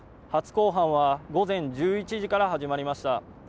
初公判は午前１１時から始まりました。